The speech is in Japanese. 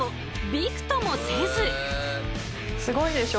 すごいでしょ？